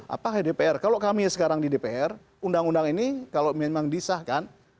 apa dpr kalau kami sekarang di dpr undang undang ini kalau memang disahkan